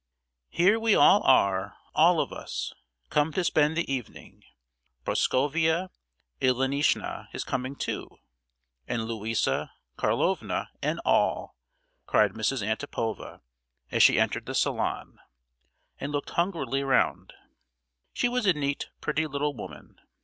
"Here we all are, all of us, come to spend the evening; Proskovia Ilinishna is coming too, and Luisa Karlovna and all!" cried Mrs. Antipova as she entered the salon, and looked hungrily round. She was a neat, pretty little woman!